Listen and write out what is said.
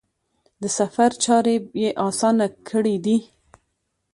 د سفر چارې یې اسانه کړي دي.